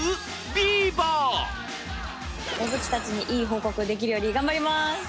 ビーバー動物たちにいい報告できるように頑張ります